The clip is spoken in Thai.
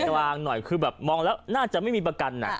กลางหน่อยคือแบบมองแล้วน่าจะไม่มีประกัน